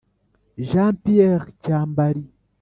Jean Pierre Cyambari